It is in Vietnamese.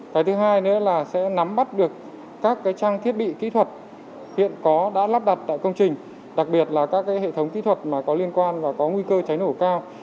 cái thứ hai nữa là sẽ nắm bắt được các trang thiết bị kỹ thuật hiện có đã lắp đặt tại công trình đặc biệt là các hệ thống kỹ thuật mà có liên quan và có nguy cơ cháy nổ cao